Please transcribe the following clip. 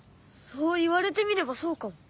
そう言われてみればそうかも。